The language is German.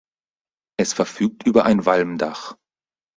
Es verfügt über ein Walmdach.